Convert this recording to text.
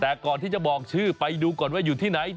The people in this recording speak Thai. แต่ก่อนที่จะบอกชื่อไปดูก่อนว่าอยู่ที่ไหน